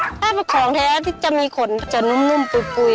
ถ้าเป็นของแท้ที่จะมีขนจะนุ่มปุ๋ย